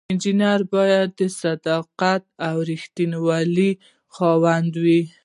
انجینر باید د صداقت او ریښتینولی خاوند وي.